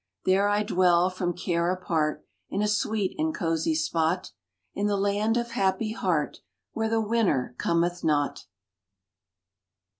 There I dwell from care apart, In a sweet and cozy spot In the Land of Happy Heart, Where the winter cometh not